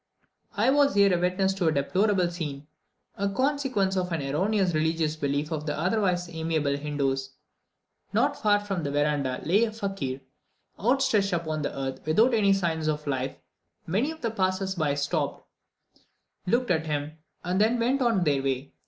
I was here a witness of a deplorable scene, a consequence of an erroneous religious belief of the otherwise amiable Hindoos. Not far from the verandah lay a fakir, outstretched upon the earth, without any signs of life; many of the passers by stopped, looked at him, and then went on their way.